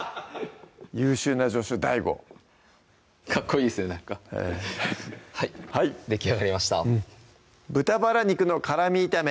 優秀な助手・ＤＡＩＧＯかっこいいですよなんかはいできあがりました「豚バラ肉の辛み炒め」